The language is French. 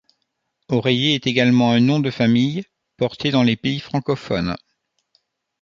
Oreiller est également un nom de famille porté dans les pays francophones.